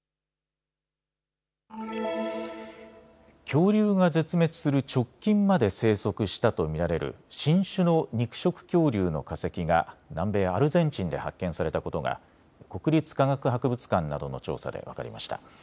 恐竜が絶滅する直近まで生息したと見られる新種の肉食恐竜の化石が南米アルゼンチンで発見されたことが国立科学博物館などの調査で分かりました。